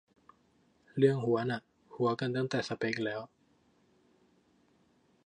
เรื่องฮั้วน่ะ ฮั้วกันตั้งแต่สเป็คแล้ว